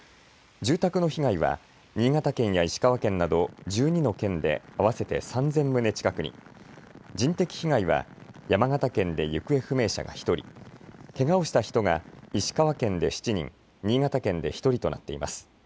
住宅の被害は新潟県や石川県など１２の県で合わせて３０００棟近くに、人的被害は山形県で行方不明者が１人、けがをした人が石川県で７人、新潟県で１人となっています。